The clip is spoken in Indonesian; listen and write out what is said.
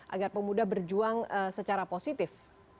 agar pemuda berjuang secara positif